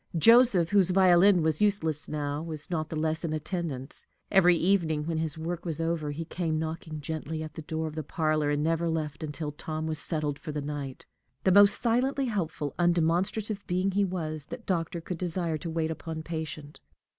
Joseph, whose violin was useless now, was not the less in attendance. Every evening, when his work was over, he came knocking gently at the door of the parlor, and never left until Tom was settled for the night. The most silently helpful, undemonstrative being he was, that doctor could desire to wait upon patient.